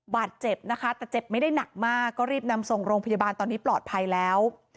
บาดเจ็บนะคะแต่เจ็บไม่ได้หนักมากก็รีบนำส่งโรงพยาบาลตอนนี้ปลอดภัยแล้ว